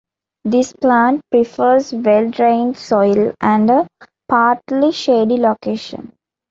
This plant prefers well drained soil and a partly shady location.